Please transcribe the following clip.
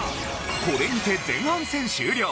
これにて前半戦終了。